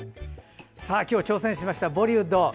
今日、挑戦しましたボリウッド。